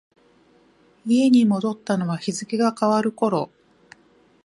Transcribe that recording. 家に戻ったのは日付が変わる頃。